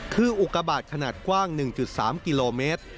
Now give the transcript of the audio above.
คืออุกบาทขนาดกว้าง๑๓กิโลเมตร